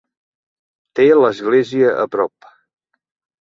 Té l'església a prop.